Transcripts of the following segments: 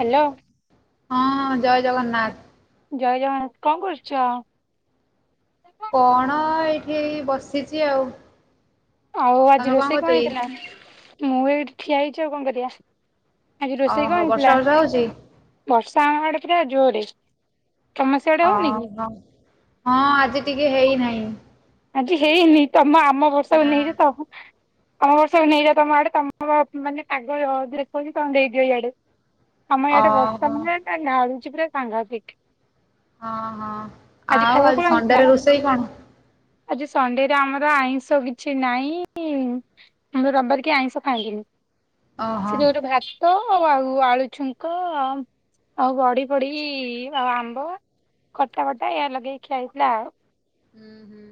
Hello. ହଁ ଜୟ ଜଗନ୍ନାଥ। ଜୟ ଜଗନ୍ନାଥ। କଣ କରୁଛ? କଣ ଏଇଠି ଏଇ ବସିଛି ଆଉ। ଆଉ ଆଜି ତମେ ରୋଷେଇ କରୁଛ କଣ କି? ହେଇଥିଲା? ମୁଁ ଏଇଠି ଠିଆ ହେଇଛି ଆଉ କଣ କରିବା। ଆଜି ରୋଷେଇ ଓହୋ କଣ ହେଇଥିଲା? ବର୍ଷା ବର୍ଷା ହଉଛି ବର୍ଷା ଆମ ଆଡେ ପୁରା ଜୋରରେ। ଓହୋ ହଁ ଆଜି ଟିକେ ହେଇନାହିଁ। ଆଜି ହେଇନି ତମ ଆମ ବର୍ଷାକୁ ନା ନେଇଯା ତମ ଆମ ବର୍ଷା କୁ ନେଇଯାଅ ତମ ଆଡେ ତମ ମାନେ ପାଗ ଦେଖିଉଛି ତମେ ଦେଇଦିଅ ଇଆଡେ। ଆମ ଏଇଆଡେ ବର୍ଷା ଓହୋ ମାନେ [unintelligible] ପୁରା ସାଂଘାତିକ। ହଁ ହଁ ଆଜି ଆଉ ଖାଇବାକୁ ଆଉ କଣ ହେଇଥିଲା? ସଣ୍ଡେରେ ରୋଷେଇ କଣ? ଆଜି ସଣ୍ଡେରେ ଆମର ଆଇଁଷ କିଛି ନାହିଁ। [unintelligible] ରବିବାର କେହି ଆଇଁଷ ଖାଆନ୍ତିନି। ଓହୋ ସେ ଜୋର୍ ଭାର ତ ଆଉ ଆଳୁ ଛୁଙ୍କ ଆଉ ଆଉ ବଢି ଫଡ଼ି ଆଉ ଆମ୍ବ। ଖଟା ବଟା ଏଇଆ ଲଗେଇ ଖିଆ ହେଇଥିଲା ଆଉ। ହୁଁ ହୁଁ।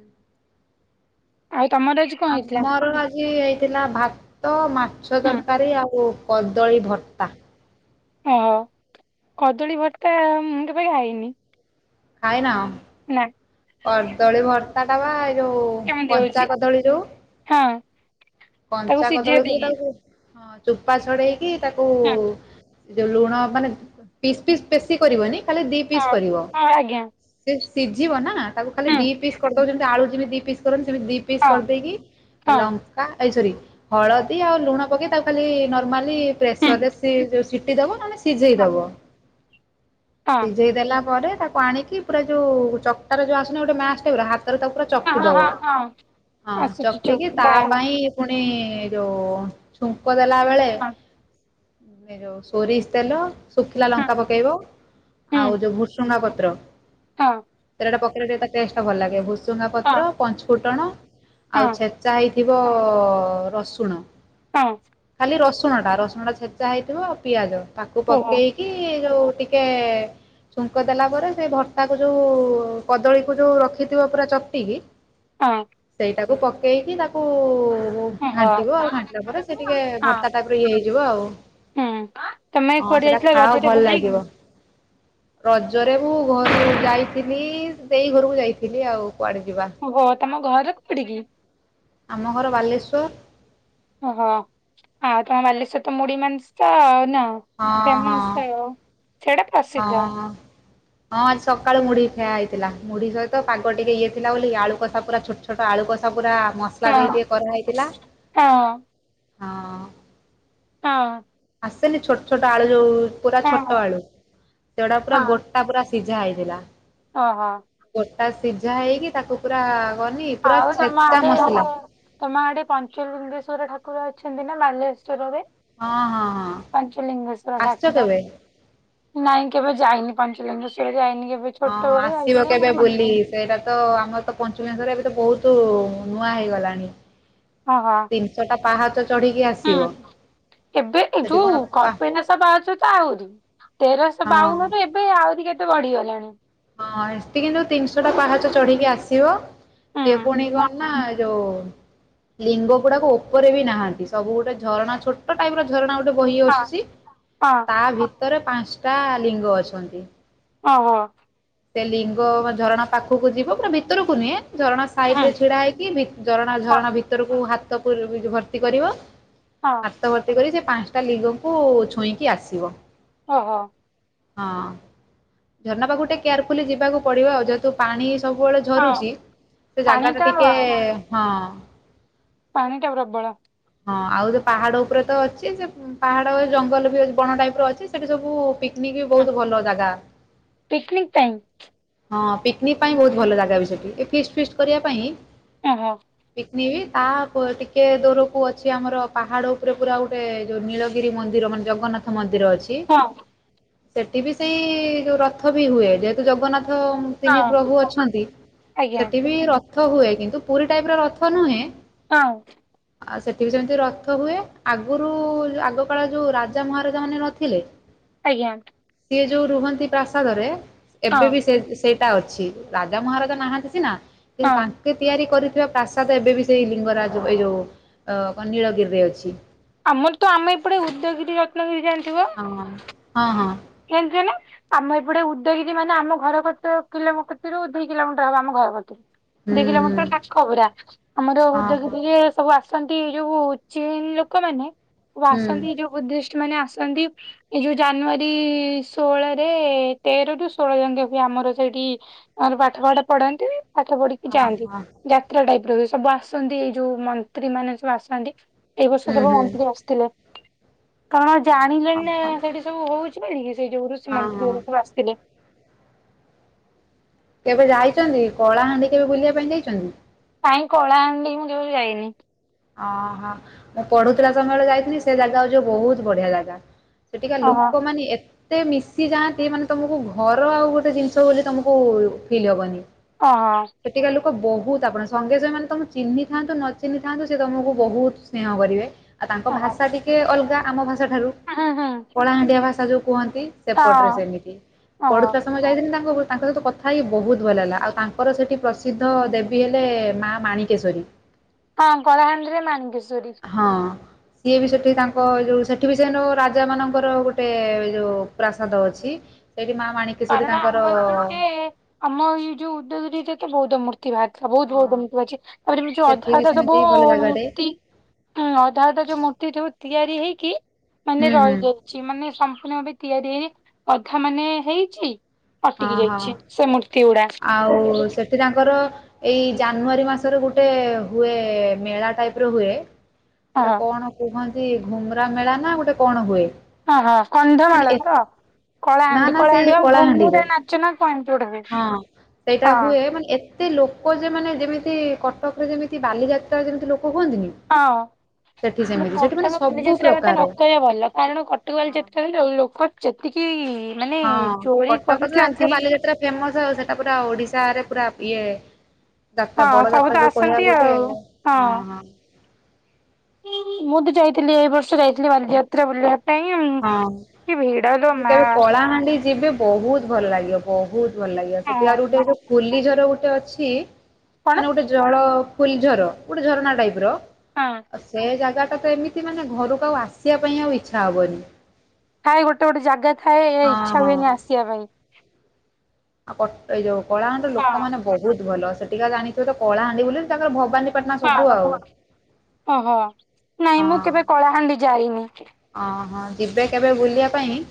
ଆଉ ତମର ଆଜି କଣ ହେଇଥିଲା? ଆମର ଆ ଜି ହେଇଥିଲା ଭାତ, ମାଛ ହୁଁ ତରକାରୀ ଆଉ କଦଳୀ ଭର୍ତ୍ତା। ହଁ କଦଳୀ ଭର୍ତ୍ତା ମୁଁ କେବେ ଖାଇନି ଖାଇନା। ନା। କଦଳୀ ଭର୍ତ୍ତା ଟା ବା ଏଇ ଯୋଉ କେମିତି କଞ୍ଚା ହଉଛି? କଦଳୀ ଯୋଉ ହଁ ତାକୁ କଞ୍ଚା ସିଝେଇ କଦଳୀକୁ ଦେଇକି ତାକୁ ହଁ ଚୋପା ଛଡେଇକି ତାକୁ ହଁ ଯୋଉ ଲୁଣ ମାନେ ପିସ୍ ପିସ୍ ବେଶି କରିବନି ଖାଲି ଦି ପିସ୍ ହଁ କରିବ ହଁ ଆଜ୍ଞା ସେ ସିଝିବ ନା ତାକୁ ଖାଲି ହୁଁ ଦି ପିସ୍ କରିଦବ୍ ଯେମିତି ଆଳୁ ଯେମିତି ଦି ପିସ କରନ୍ତି ସେମିତି ପିସ୍ ହଁ କରିଦେଇକି ହଁ ଲଙ୍କା ଏ ସରି ହଳଦୀ ଆଉ ଲୁଣ ପକେଇ ତାକୁ ଖାଲି ନର୍ମାଲି ହୁଁ ପ୍ରେସର ରେ ସି ସିଟି ଦବ ନହଲେ ହଁ ସିଝେଇଦବ ହଁ ସିଝେଇ ଦେଲା ପରେ ତାକୁ ଆଣିକି ପୁରା ଯୋଉ ଚ ତାର୍ ଯୋଉ ଆସୁନି ଗୋଟେ ମାସ୍ ଟେ ପରା ହାତରେ ତାକୁ ପୁରା ହଁ ହଁ ଚକଟିଦବ ହଁ ହଁ ଆସୁଛି ଚୁପ୍ ଚକଟିିକି ତା ବାଏ ହଁ ପାଇଁ ପୁଣି ଯୋଉ ଛୁଙ୍କ ଦେଲା ବେଳେ ଏ ଯୋଉ ସୋରିଷ ତେଲ ଶୁଖିଲା ହଁ ଲଙ୍କା ପକେଇବ ହୁଁ ଆଉ ଯୋଉ ଭୁଷୁଙ୍ଗା ପତ୍ର ହଁ। ତେଲଟା ପକେଇଲେ ଟିକେ ତା ଟେଷ୍ଟ ଟା ଭଲ ଲାଗେ ଭୁସୁଙ୍ଗା ହଁ ପତ୍ର ପଞ୍ଚ ଫୁଟଣ ଆଉ ହଁ ଛେଚା ହେଇ ଥିବ ରସୁଣ। ହଁ। ଖାଲି ରସୁଣ ଟା ରସୁଣ ଟା ଛେଚା ହେଇଥିବ ଆଉ ପିଆଜ ତାକୁ ଓହୋ ପକେଇ କି ଯୋଉ ଟିକେ ଛୁଙ୍କ ଦେଲା ପରେ ସେ ଭର୍ତ୍ତାକୁ ଯୋଉ କଦଳୀକୁ ଯୋଉ ରଖିଥିବ ପୁରା ଚକଟିକି। ହଁ। ସେଇଟାକୁ ପକେଇକି ତାକୁ ହଁ ଘାଣ୍ଟିବ ଆଉ ଘାଣ୍ଟିଲା ପରେ ହଁ ସେ ଟିକେ ଭର୍ତାଟା ପୁରା ଇଏ ହେଇଯିବ ଆଉ ହୁଁ ତମେ ହଁ କୁଆଡେ ସେଟା ଯାଇଥିଲ ଖାଅ ରଜରେ ଭଲ ବୁଲିବାକୁ? ଲାଗିବ। ରଜରେ ମୁଁ ଘରୁ ଯାଇଥିଲି ଦେଇ ଘରକୁ ଯାଇଥିଲି ଆଉ କୁଆଡେ ଯିବା। ଓହୋ ତମ ଘର କୋଉଠକି? ଆମ ଘର ବାଲେଶ୍ୱର। ଓହୋ ଆଉ ତମ ବାଲେଶ୍ଵର ତ ମୁଢ ମାଂସ ଆଉ ନା। ହଁ ହଁ ଫେମସ ଆଉ ସେଇଟା ପ୍ରସିଦ୍ଧ। ହଁ ହଁ। ହଁ ଆଜି ସକାଳୁ ମୁଢିଆ ଖିଆ ହେଇଥିଲା ମୁଢି ସହିତ ପାଗ ଟିକେ ଇଏ ଥିଲା ବୋଲି ଆଳୁ କଷା ପୁରା ଛୋଟ ଛୋଟ ଆଳୁ କଷା ପୁରା ହଁ ମସଲା ଦେଇ ଟିକେ କରାହେଇଥିଲା ହଁ। ହଁ। ଆସେନି ଛୋଟ ଛୋଟ ଆଳୁ ଯୋଉ ପୁରା ହଁ ଛୋଟ ଆଳୁ ସେଗୁଡା ପୁରା ଗୋ ଟା ପୁରା ସିଝା ହେଇଥିଲା। ହଁ ହଁ। ଗୋଟା ସିଝା ହେଇକି ତାକୁ ପୁରା ଗନି। ଆଉ ତମ ଆଡେ ଇଏ ତମ ଆଡେ ପଞ୍ଚଲିଙ୍ଗେଶ୍ଵର ଠାକୁର ଅଛନ୍ତି ନା ବାଲେଶ୍ୱରରେ? ହଁ ହଁ ହଁ ପାଞ୍ଚଲିଗେଶ୍ୱର ଆସିଛ କେବେ? ଡାକୁଦମ। ନାଇଁ କେବେ ଯାଇନି ପଞ୍ଚଲିଙ୍ଗେଶ୍ୱର ଯାଇନି କେବେ। ହଁ ହଁ ଛୋଟବେଳେ ଆସିବ ଯାଇଥିଲି କେବେ ବୁଲି ସେଇଟା ତ ଆମର ତ ପଞ୍ଚଲିଙ୍ଗେଶ୍ୱର ଏବେ ତ ବହୁତ ନୂଆ ହେଇଗଲାଣି। ଓଁ ହଁ। ତିନିଷଟା ପାହାଚ ଚଢିକି ହୁଁ। ଆସିବ ଏବେ ସେଠି କଣ ଯୋଉ ପା କପିଳାସ ପାହାଚତ ଆହୁରି ତେରଶହ ହଁ ବାଉନରେ ଏ ଏବେ ଆହୁରି କେତେ ବଢିଗଲାଣି। ହଁ ଏଠି କିନ୍ତୁ ତିନିଶହଟା ପାହାଚ ଚଢିକି ଆସିବ ସିଏ ପୁଣି ହୁଁ କ ନା ଯୋଉ ଲିଙ୍ଗ ଗୁଡ଼ାକ ଉପରେବି ନାହାନ୍ତି ସବୁ ଗୋଟେ ଝରଣା ଛୋଟ ଛୋଟ ଟାଇପର ଝରଣା ଗୋଟେ ବୋହି ହଁ ଆସୁଚି ହଁ ତା ଭିତରେ ପାଞ୍ଚଟା ଲିଙ୍ଗ ଅଛନ୍ତି। ଓହୋ। ସେ ଲିଙ୍ଗ ବା ଝରଣା ପାଖକୁ ଯିବ ପୁରା ଭିତରକୁ ନୁହେଁ ଝରଣା ହୁଁ ସାଇଟିରେ ଛିଡ଼ା ହେଇକି ଭି ଝରଣା ହଁ ଝରଣା ଭିତରକୁ ହାତକୁ ଭର୍ତ୍ତି କରିବ ହଁ। ହାତ ଭର୍ତ୍ତି କରି ସେପାଞ୍ଚଟା ଲିଂଗକୁ ଛୁଇଁକି ଆସିବ। ଓହୋ। ହଁ ଝରଣା ପାଖକୁ ଟିକେ କେୟାରଫୁଲି ଯିବାକୁ ପଡ଼ିବ ଆଉ ଯେହେତୁ ପାଣି ସବୁବେଳେ ହଁ ଝରୁଚି ପାଣି ସେଜାଗା ଟା ଟାଟିକେ ହଁ। ପାଣିଟା ପ୍ରବଳ। ହଁ ଆଉ ସେପାହାଡ଼ ଉପରେତ ଅଛି ଯେ ପାହାଡ଼ ଜଙ୍ଗଲବି ବଣ ଟାଇପର ଅଛି ସେଠି ସବୁ ପିକନିକ୍ ବି ବହୁତ ଭଲ ଜାଗା। ପିକନିକ୍ ପାଇଁ। ହଁ ପିକନିକ୍ ପାଇଁ ବହୁତ ଭଲ ଜାଗା ବି ସେଠି ଏ ଫିଷ୍ଟ ଫିଷ୍ଟ କରିବା ପାଇଁ ଓହୋ। ପିକନିକବି ତାପ ଟିକେ ଦୂରକୁ ଅଛି ଆମର ପାହାଡ ଉପରେ ପୁରା ଗୋଟେ ଯୋଉ ନୀଳଗିରି ମନ୍ଦିର ମାନେ ଜଗନ୍ନାଥ ମନ୍ଦିର ଅଛି। ହଁ ସେଠିବି ସେଇ ଯୋଉ ରଥବି ହୁଏ ଯେହେତୁ ଜଗନ୍ନାଥ ତିନି ପ୍ରଭୁ ହଁ ଅଛନ୍ତି ଆଜ୍ଞା ସେଠି ବି ରଥ ହୁଏ କିନ୍ତୁ ପୁରୀ ଟାଇପ ର ରଥ ନୁହେଁ ହଁ। ଆଉ ସେଠ ବିି ସେମିତି ରଥ ହୁଏ ଆଗରୁ ଆଗକାାଳ ଯୋଉ ରାଜା ମହାରାଜା ମାନେ ନଥିଲେ ଆଜ୍ଞା। ସିଏ ଯୋଉ ରୁହନ୍ତି ପ୍ରାସାଦରେ ଏବେ ହଁ ବି ସେ ସେଇଟା ଅଛି ରାଜା ମହାରାଜା ନାହାନ୍ତି ସିନା କିନ୍ତୁ ହଁ ତା ୋକେ ତିଆରି କରିଥିବା ପ୍ରାସାଦ ଏବେ ବି ସେଇ ଲିଙ୍ଗରାଜ ଏଇ ଯେଉଁ ନୀଳଗିରିରେ ଅଛି। ଆମର ତ ଆମ ଏପଟେ ଉଦ୍ୟଗିରି ରତ୍ନଗିରି ଜାଣିଥିବ? ହ ହଁ ହଁ। ଯାଣିଚନା। ଆମ ଏପଟେ ଉଦ୍ୟୋଗୀ ମାନେ ଆମ ଘରରୁ ଦୁଇ କିଲୋମିଟର ହବ ଆମ ଘରକତରୁ। ହୁଁ ଦେଖିଲମ ହୁଁ ତା ଖବରା ଆମର ହଁ ହଁ ଉଦୟ ସବୁ ଆସ? ଆନ୍ତି ଯୋଉ ଚୀନ ଲୋକମାନୋନ ହୁଁ। ଆସନ୍ତି ଯୋଉ ଉଦ୍ଦିଷ୍ଟ ମାନେ ଆସନ୍ତି ଏଇ ଯୋଉ ଜାନୁଆରୀ ସେଠି ଷୋହଳରେ ତେର ରୁ ଷୋହଳ ଜଙ୍କ ହୁଏ ଆମର ସେଇଠି ଆର ପାଠପଢଠ ପଢନ୍ତି ପାଠ ପଢିକି ଯାଆନ୍ତି ଯାତ୍ରା ଟାଇପ ର ସବୁ ଆସନ୍ତି ଏଇ ଯୋଉ ମନ୍ତ୍ରୀ ମାନେ ସବୁ ଆସନ୍ତି। ଏଇ ବର୍ଷ ହୁଁ ସବୁ ହୁଁ। ମନ୍ତ୍ରୀ ଆସିଥିଲେ କାରଣ ହଁ ଜାଣିଲେଣିନା ସେଠି ସବୁ ହଉ କି ସେ ଯୋଉ ଋଷ ହଁ ମନ୍ତ୍ରୀବୁ ଆସିଥିଲେ। କେବେ ଯାଇଚନ୍ତି କଳାହାଣ୍ଡି କେବେ ବୁଲିବା ପାଇଁ ଯାଇଚନ୍ତି? କାଇଁ କଳାହାଣ୍ଡି ମୁଁ କେବେ ଯାଇନି। ଓହୋ, ମୁଁ ପଢୁଥିଲା ସମୟ ରେ ଯାଇଥିଲି। ସେ ଜାଗା ହଉଛି ବହୁତ ବଢିଆ ଜାଗା। ସେଠିକା ଓହୋ ଲୋକମାନେ, ଏ ଏତେ ମିଶି ଯାଆନ୍ତି, ମାନେ ତମକୁ ଘର ଆଉ ଗୋଟେ ଜିନିଷ ବୋଲି ତମକୁ ଫିଲ୍ ହବନି। ଅଁ, ସେଠିକା ଲୋକ ବହୁତ, ଆପଣ ସଙ୍ଗେସଙ୍ଗେ ମାନେ ତମେ ଚିହ୍ନି ଥାନ୍ତୁ ନ ଚିହ୍ନିଥାନ୍ତୁ ସେ ତୁମକୁ ବହୁତ ସ୍ନେହ କରିବେ, ଆଉ ତାଙ୍କ ଭାଷା ହୁଁ ଟିକେ ଅଲଗା ଆମ ଭାଷା ଠାରୁ। ହୁଁ। କଳାହାଣ୍ଡିଆ ଭାଷା ଯୋଉ କୁହନ୍ତି। ସେପଟରେ ହଁ ସେମିତି ଓହୋ ପଢୁଥିଲା, ହଁ ଯାଇଥିଲି ତାଙ୍କ ସହିତ କଥା ହେଇ ବହୁତ ଭଲଲାଗିଲା। ଆଉ ତାଙ୍କର ସେଠି ପ୍ରସିଦ୍ଧ ଦେ, ବି ହେଲେ ମା ମାଣିକେଶରୀ। ହଁ କଳାହାଣ୍ଡିରେ ମାାନିକେଶ୍ଵରୀ। ହଁ, ସିଏ ବି ସେଠି ତାଙ୍କ ଯେଉଁ ସେଠି ବି ସେ ରାଜାମାନଙ୍କର ଗୋଟେ ଯେଉଁ ପ୍ରାସାଦ ଅଛି। ସେଇଠି ମା ମାଣି, କାରଣ ଆମେଟିକେ ଅମ ଜୁ ଉଦ୍ଦ ରଜ ତ ବଉଦ୍ଧମୂର୍ତି। ଭାଆରି ଥିଲା ବହୁତ ବହୁତ ମୁତି ଅଛି ତାପରେ ଏମ ଯୋଉ ଅଧା ସେଠି ବି ଅଧା ସବୁ ସେମିତି ଭଲ ଜାଗାଟେ ମୂର୍ତ୍ତି, ହୁଁ, ଅଧା ଅଧା ଯୋଉ ମୂର୍ତ୍ତି ଯୋଉ ତିଆରି ହେଇକି ମାନେ ହୁଁ ହୁଁ ରହିଯାଇଛି। ସିଏ ମାନେ ସମ୍ପୂର୍ଣ୍ଣ ଭାବେ ତିଆରି ହେଇ ଅଧା ମାନେ ହେଇଛି, ହଁ ଅଟିକି ହଁ ଯାଇଛି। ସେ ମୂର୍ତ୍ତି ଗୁଡା, ସେ ତାଙ୍କର, ଏଇ ଜାନୁଆରୀ ମାସରେ ଗୋଟେ ହୁଏ। ମେଳା ଟାଇପ ର ହୁଏ, ସେଇଟା କଣ କୁହନ୍ତି ଘୁମରା ମେଳା ନା ଗୋଟେ କଣ ହୁଏ, ଓହୋ ମାନେ କନ୍ଧମାଳ ଏ ତ, ନା କଳାହାଣ୍ଡି ନା ସେଇ କଳାହାଣ୍ଡି ଆମ ଘୁମୁରା କଳାହାଣ୍ଡିରେ ନାଚ ନା କଣଟବେ ହଁ ସେଇଟା ହୁଏ। ମାନେ ଏ ଏତେ ଲୋକ ଯେ, ମାନେ ଯେମିତି କଟକରେ ଯେମିତି ବାଲିଯାତ୍ରାରେ ଯେମିତି ଲୋକ ହୁଅନ୍ତିନି। ହଁ ସେଠି ସେମିତି ସେଠି କଟକ ମାନେ ସବୁ ବାଲିଯାତ୍ରା କଥା ପ୍ରକାର ନ କହିବା ଭଲ। କାରଣ କଟକ ବାଲି ଯାତ୍ରା ରେ ଯୋଉ ଲୋକ ଯେତିକି ମାନେ ହଁ, ଚୋରି କଟକ ତ କରୁଛନ୍ତି ଜାଣିଥିଏ ବାଲିଯାତ୍ରା ଫେମସ। ଆଉ ସେଟା ପୁରା ଓଡିଶାରେ ପୁରା ଇଏ, ଦାତା ହଁ ବଡ ସବୁ ଦାତା ତ ଯୋ ଆସନ୍ତି କହିବାକୁ ଗଲେ ଆଉ ହଁ ହଁ ମୁଁ ତ ଯାଇଥିଲି, ଏଇ ବର୍ଷ ଯାଇଥିଲି ବାଲିଯାତ୍ରା ବୁଲିବାକୁ। ହଁ, ମା କେବେ କଳାହାଣ୍ଡି ଯିବେ। ବହୁତ ଭଲ ଲାଗିବ, ବହୁତ ଭଲ ଲାଗିବ ସେଠି ଆଉ ହଁ ଗୋଟେ ଫୁଲିଝର ଗୋଟେ ଅଛି। କଣ ମାନେ ଗୋଟେ ଜଳ ଫୁଲିଝର ଗୋଟେ ଝରଣା ଟାଇପ ର ହଁ, ସେ ଜାଗା ଟା ତ ଏମିତି ମାନେ ଘରକୁ ଆଉ ଆସିବା ପାଇଁ ଆଉ ଇଚ୍ଛା ହବନି। ଥାଏ ଗୋଟେ ଗୋଟେ ଜାଗା ଥାଏ, ଏ ହଁ ଇଛା ହଁ। ହୁଏନି ଆସିବା ପାଇଁ। ଆଉ ଏଇ ଯୋଉ କଳାହାଣ୍ଡି ଲୋକମାନେେ ବହୁତ ଭଲ ସେଠିକା ଜାଣିଥିବ ତ କଳାହାଣ୍ଡି ବୋଲି ତାଙ୍କର ଭବାନୀ ହଁ [unintelligible] ଓହୋ ନାଇଁ ମୁଁ କେବେ କଳାହାଣ୍ଡି ଯାଇନି। ଅଁହୋ ଯିବେ କେବେ ବୁଲିବା ପାଇଁ,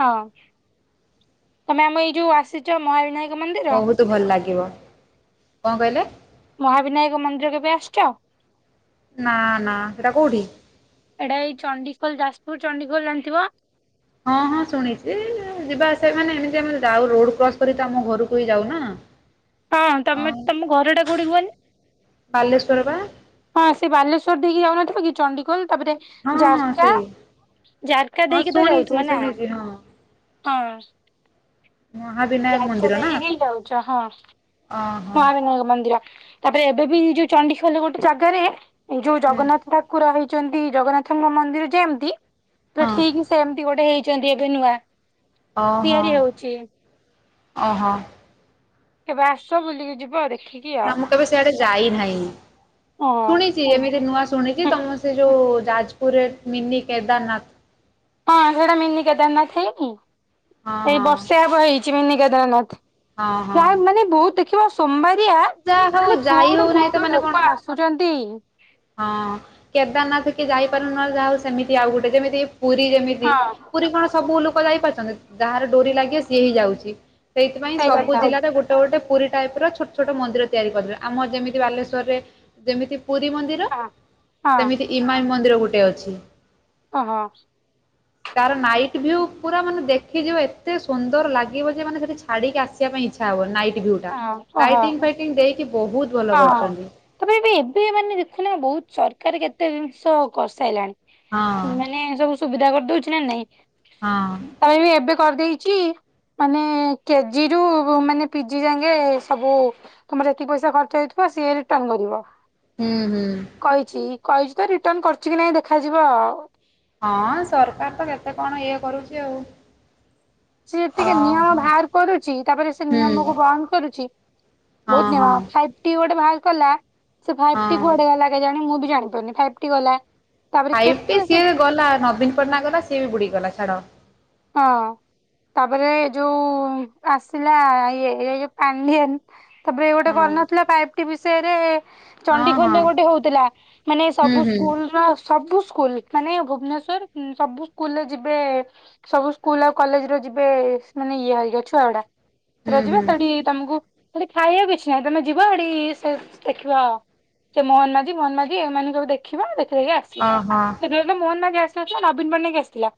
ହଁ, ତମେ ଆମ ଏଇ ଯୋଉ ଆସିଛ ମହାବିନାୟକ ମନ୍ଦିର ବହୁତ ଭଲ ଲାଗିବ, କଣ କହିଲେ? ମହାବିନାୟକ ମନ୍ଦିର କେବେ ଆସିଛ? ନା ନା ସେଟା କୋଉଠି? ଏଇଟା ଏଇ ଚଣ୍ଡିଖୋଲ ଯାଜପୁର ଚଣ୍ଡିଖୋଲ ଜାଣିଥିବ। ହଁ ହଁ ଶୁଣିଛି, ଯିବା ଆସିବା ମାନେ ଏମିତି ଆମେ ଯାଉ ରୋଡ କ୍ରସ୍ କରି ତ ଆମ ଘରକୁ ହି ଯାଉ ନା ହଁ ଅ ତମେ ତମ ଘରଟା କୋଉଠି କୁହନି? ବାଲେଶ୍ୱର ବା। ହଁ ସେ ବାଲେଶ୍ୱର ଦେଇକି ଯାଉନଥିବ କି ଚଣ୍ଡିଖୋଲ ତାପରେ। ହଁ ହଁ ଜାରକା ସେଇ ଜାରକା ହଁ ଦେଇକି ତ ଶୁଣିଛି ଯାଉଥିବ ନା। ଶୁଣିଛି ହଁ। ହଁ। ମହାବିନାୟକ ଜାରକା ମନ୍ଦିର ନା ଦେଇକି ହିଁ ଯାଉଛ ହଁ ଓହୋ ମହାବିନାୟକ ମନ୍ଦିର। ତାପରେ ଏବେ ବି ଯୋଉ ଚଣ୍ଡିଖୋଲ ଗୋଟେ ଜାଗାରେ ଏ ଯୋଉ ହୁଁ ଜଗନ୍ନାଥ ଠାକୁର ହେଇ ଚନ୍ତି ଜଗନ୍ନାଥଙ୍କ ମନ୍ଦିର ଯେମିତି ପୁରା ହଁ ଠିକ ସେମିତି ଗୋଟେ ହେଇଛନ୍ତି ଏବେ ନୂଆ। ଅ ହ ତିଆରି ହଉଛି ଅ ହ। କେବେ ଆସ ବୁଲିକି ଯିବ ଆଉ ଦେଖି ନା ମୁଁ କେବେ ସିଆଡେ ଯାଇନାହିଁ ଶୁଣି ହଁ ଚି ଏମିତି ନୂଆ ଶୁଣିଛି ତମ ସେ ଯୋଉ ଯାଜପୁରରେ ମିନି କେଦାରନାଥ। ହଁ ସେଇଟା ମିନି କେଦାରନାଥ ହେଇନି ହଁ ଏଇ ହଁ ବର୍ଷେ ହବ ହେଇଛି ମିନି କେଦାରନାଥ। ହଁ ହଁ ପ୍ରାୟେ ମାନେ ବହୁତ ଦେଖିବ ସୋମବାରିଆ ଯାହା ହଉ ମାନେ ଯାଇ କୋଉଠୁ ହଉନାହିଁ ତ କୋଉଠୁ ମାନେ ଲୋକ କଣ ଆସ ସୁଛନ୍ତି। ହଁ କେଦାରନାଥ କିଏ ଯାଇପାରୁନ ଯାହା ହଉ ସେମିତି ଆଉ ଗୋଟେ ଯେମିତି ପୁରୀ ଯେମିତି। ହଁ ପୁରୀ କଣ ସବୁ ଲୋକ ଯାଇପାରୁଛନ୍ତି ଯାହାର ଡୋରି ଲାଗିବ ସିଏ ହିଁ ଯାଉଛି ସେଇଥିପାଇଁ ସେଇ ସବୁ କଥା ହଁ ଜିଲ୍ଲାରେ ଗୋ [unintelligible] ଗୋଟେ ପୁରୀ ଟାଇପର ଛୋଟ ଛୋଟ ମନ୍ଦିର ତିଆରି କରିବେ ଆମର ଯେମିତି ବାଲେଶ୍ୱର ରେ ଯେମିତି ପୁରୀ ମନ୍ଦି ର ହଁ ସେମିତି ଇମାମି ମନ୍ଦିର ଗୋଟେ ଅଛି। ଅ ହ। ତାର ନାଇଟ୍ ଭିଉ ପୁରା ମାନେ ଦେଖିଯିବ ଏତେ ସୁନ୍ଦର ଲାଗିବ ଯେ ମାନେ ସେଠି ଛାଡିକି ଆସିବା ପାଇଁ ଇଚ୍ଛା ହବନି ନାଇଟ ଭିଉ ଟା ହଁ ଓହୋ ଲାଇଟିଙ୍ଗ ଫାଇଟିଙ୍ଗ ଦେଇକି ବହୁ ହଁ ତାପରେ ବି ଏବେ ମାନେ ଦେଖୁନ ବହୁତ ସରକାର କେତେ ଜିନିଷ ହଁ କରିସାଇଲାଣି। ମାନେ ସବୁ ସୁବିଧା କରିଦଉଛି ନା ନାଇଁ? ହଁ। ତାପରେ ବି ଏବେ କରିଦେଇଛି। ମାନେ କେ ଜି ରୁ ମାନେ ପି ଜି ଜାଙ୍କେ ସବୁ ତମର ଯେତିକି ପଇସା ଖ ଚ ହେଇଥିବ ସିଏ ରିଟର୍ନ କରିବ। ହୁଁ ହୁଁ। କହିଛି କହିଛି ତ ରିଟର୍ନ କରୁଛି କି ନାଇଁ ଦେଖାଯିବ ଆଉ। ହଁ ସରକାର ତ କେତେ କଣ ଇଏ କରୁଛି ଆଉ। ସେ ଯେତିକି ନିୟମ ଓହୋ। ବାହାର କରୁଛି ତାପରେ ସେ ହୁଁ ନିୟମକୁ ବନ୍ଦ କରୁଛି। ହଁ ବହୁତ୍ ନିୟମ ହଁ ଫାଇ ଟି ଗୋଟେ ବାହାର କଲା ସେ ଫାଇଫ ଟି ହଁ। କୁଆଡେ ଗଲା କେଜାଣି ମୁଁ ବି ଜାଣିପାରୁନି ଫାଇଫ ଟି ଗଲା। ତାପରେ ଫାଇପ ଟି କେତେ ସେ ସିଏ ଗଲା ନବୀନ ପଟ୍ଟନାୟକ ଗଲା ସିଏ ବି ବୁଡି ଗଲା ଛାଡ। ହଁ ତାପରେ ଯୋଉ ଆସିଲା ଇଏ ଏ ଯୋଉ ପାଣ୍ଡିଆନ। ତାପରେ ଏ ଗୋଟେ ହଁ କରିନଥିଲା ଫାଇଫ ଟି ବିଷୟରେ। ହଁ ହଁ ଚଣ୍ଡିଖୋଲରେ ଗୋଟେ ହଉଥିଲା ମାନେ ହୁଁ ସବୁ ହୁଁ ସ୍କୁଲ ର ସବୁ ସ୍କୁଲ ମାନେ ଭୁବନେଶ୍ଵର ଉଁ ସବୁ ସ୍କୁଲରେ ଯିବେ। ସବୁ ସ୍କୁଲ ଆଉ କଲେଜର ଯିବେ ସେ ମାନେ ଇଏ ହରିକା ଛୁଆ ଗୁଡା ହୁଁ ସେରା ଯିବେ ହୁଁ। ସେଠି ତମକୁ। ସେଠି ଖାଇବାକୁ କିଛି ନାହିଁ ତମେ ଯିବ ସେଠି ସେ ଦେଖିବ। ସେ ମୋହନ ମାଝି ଫୋହନ ମାଝି ଏମାନେ ସବୁ ଦେଖିବ। ଦେଖି ଦେଇକି ଆସ [unintelligible] ଓହୋ। ସେତେବେଳେ ତ ମୋହନ ମାଝୀ ଆସିିନଥିଲା ନବୀନ ପଟ୍ଟନାୟକ ଆସିଥିଲା।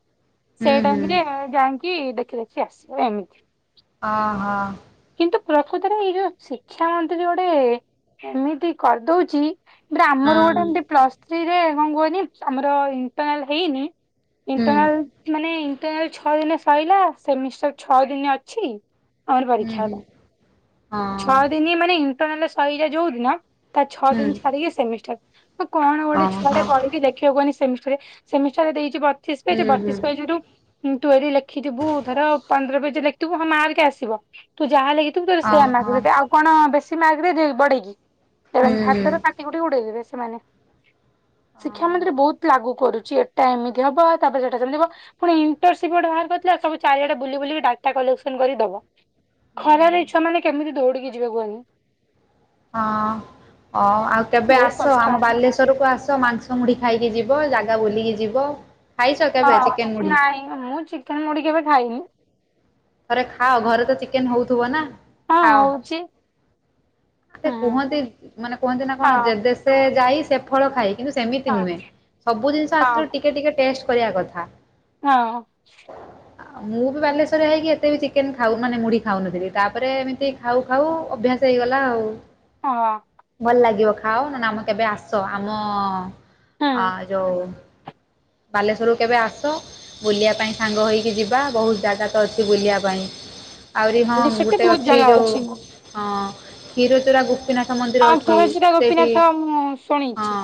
ହୁଁ ସେଇ ହୁଁ। ଟାଇମରେ ଯାଇଁକି ଦେଖି ଦେଖି ଆସିବ ଏମିତି। ଅ ହ। କିନ୍ତୁ ପ୍ରକୃତରେ ଏଇ ଯୋଉ ଶିକ୍ଷା ମନ୍ତ୍ରୀ ଗୋଟେ ଏମିତି କରିଦଉଚି ବା ହଁ ଆମର ଗୋଟେ ଏମିତି ପ୍ଲସ୍ ଥ୍ରୀରେ କଣ କୁହନି ଆମର ଇଣ୍ଟେରନାଲ ହେଇନି ହୁଁ ଇଣ୍ଟରନାଲ ମାନେ ଇଣ୍ଟରନାଲ ଛଅ ଦିନେ ସଇଲା ସେମିଷ୍ଟାର ଛଅ ଦିନି ଅଛି ଆମର ହୁଁ ପରୀକ୍ଷା ହେଲା। ହୁଁ ହଁ। ଛଅ ଦିନି ମାନେ ଇଣ୍ଟରନାଲ ସଇଲା ଯୋଉଦିନ ତା ଛଅ ହୁଁ। ଦିନି ଛାଡ଼ିକି ସେମିଷ୍ଟାର ଅଁ କଣ ଗୋଟେ ଓହୋ। ଛୁଆଟେ ପଢ଼ିକି ଲେଖିବ କୁହନି ସେମିଷ୍ଟରେ ସେମିଷ୍ଟାର ଦେଇଚି ପା ସିକ୍ସ ପେଜ୍ ହୁଁ ହୁଁ। ବତିଶି ପେଜରୁ ତୁ ଯଦି ଲେଖିଥିବୁ ଧର ପନ୍ଦର ପେଜ ଲେଖିଥିବୁ ହଁ ମାର୍କ ଆସିବ ତୁଯାହା ଲେଖିଥିବୁ ତା ସେଇଆ ମାର୍କ ଓହୋ। ଦେବେ ଆଉ କଣ ବେଶୀ ମାର୍କ ଦେଇଦେବେକି ବଢେଇକି ଥାର୍ଡ଼ ହୁଁ ଇଅର ହୁଁ ପାଠ କାଟି କୁଟିକି ଉଡେଇଦବେ ସେମାନେ ହଁ ଶିକ୍ଷା ମନ୍ତ୍ରୀ ବହୁତ୍ ଲାଗୁ କରୁଚି ଏ ଏଇଟା ଏମିତି ହବ ତାପରେ ସେଇଟା ସେମିତି ହବ। ପୁଣି ୟୁଟରସିପି ଗୋଟେ ବାହାର କରିଥିଲା ସବୁ ଚାରିଆଡ଼େ ବୁଲି ବୁଲିକି ଡାଟା କଲେକ୍ସନ କରିକିଦବ। ହୁଁ ଖରାରେ ହୁଁ। ଏ ଛୁଆମାନେ କେମିତି ଦୌଡିକି ଯିବେ କୁହନି। ହଁ ଅ ଆଉ କେବେ ବହୁତ ଆସ କଷ୍ଟ। ଆମ ବାଲେଶ୍ଵ ରକୁ ଆସ ମାଂସ ମୁଢି ଖାଇକି ଯିବ ଜାଗା ବୁଲିକି ଯିବ? ଖାଇଛ କେବେ ଚିକେନ ହଁ ମୁଢ଼ି ନାଇଁ ମୁଁ ଚିକେନ୍ ମୁଢ଼ି କେବେ ଖାଇନି। ଥରେ ଖାଅ ଘରେତ ଚିକେନ୍ ହଉଥିବନା? ହଁ ହଉଛି ଖାଅ ହଁ। କୁହନ୍ତି ମାନେ କୁହନ୍ତିନା କଣ ହଁ ଯେଦେଶ ଶେ ଯାଇ ସେ ଫଳ ଖାଇ କିନ୍ତୁ ସେମିତି ହଁ ନୁହେଁ ସବୁ ଜିନିଷ ହଁ ଆସିଲୁ ଟିକେ ଟିକେ ଟେଷ୍ଟ କରିବା କଥା। ହଁ। ଆଉ ମୁଁବି ବାଲେଶ୍ୱରିଆ ହେଇକି ଏ ଏତେବି ଚିକେନ ଖାଉ ମାନେ ମୁଢି ଖାଉନଥିଲି ତାପରେ ଏମିତି ଖାଉ ଖାଉ ଅଭ୍ୟାସ ହେଇଗଲା ଆଉ। ହଁ। ଭଲ ଲାଗିବ ଖାଅ ନହେନେ ଆମ କେବେ ଆସ ଆମ ଅ ହଁ। ଯୋଉ ବାଲେଶ୍ଵରକୁ କେବେ ଆସ ବୁଲିବା ପାଇଁ ସାଙ୍ଗ ହେଇକି ଯିବା ବହୁତ୍ ଜାଗାତ ଅଛି ବୁଲିବା ପାଇଁ। ଆହୁରି ହଁ ସେଠି ଗୋଟେ ବହୁତ ଅଛି ଜାଗା ଯୋଉ ହଁ କ୍ଷୀର ଚୋରା ଗୋ ପିନାଥ ମନ୍ଦିର ହଁ ଅଛି ତୁଳସୀର ସେଇଠି ଗୋପୀନାଥ ମୁଁ ହଁ। ଶୁଣିଛି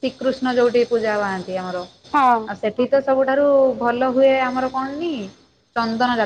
ଶ୍ରୀକୃଷ୍ଣ ଯୋଉଠି ପୂଜା ପାଆନ୍ତି ଆମର। ହଁ। ସେଠିତ ସବୁଠାରୁ ଭଲ ହୁଏ ଆମର କଣକି ଚନ୍ଦନ ଯା